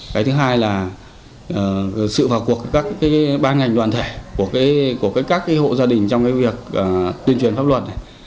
cái thứ hai là sự vào cuộc các ban ngành đoàn thể của các hộ gia đình trong việc tuyên truyền pháp luật này